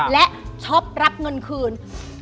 และช็อปรับเงินคืน